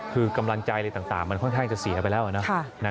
คือกำลังใจอะไรต่างมันค่อนข้างจะเสียไปแล้วนะ